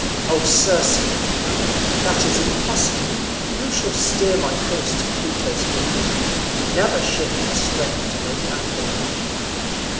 "O Circe," he cried, "that is impossible: who shall steer my course to Pluto's kingdom? Never ship had strength to make that voyage."